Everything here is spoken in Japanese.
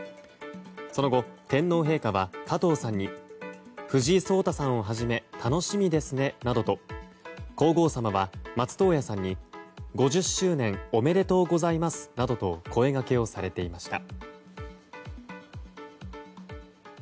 その後、天皇陛下は加藤さんに藤井聡太さんをはじめ楽しみですねなどと皇后さまは松任谷さんに５０周年おめでとうございますなどと声掛けをされていました。